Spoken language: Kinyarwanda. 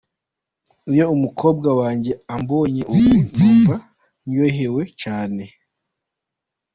"Iyo umukobwa wanje ambonye ubu, numva ndyohewe cane.